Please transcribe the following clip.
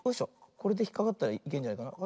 これでひっかかったらいけんじゃないかな。